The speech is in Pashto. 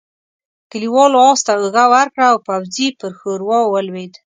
کليوالو آس ته اوږه ورکړه او پوځي پر ښوروا ولوېد.